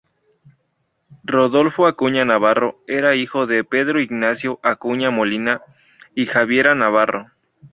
Rodolfo Acuña Navarro era hijo de Pedro Ignacio Acuña Molina y Javiera Navarro.